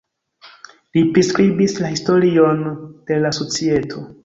Li priskribis la historion de la societo.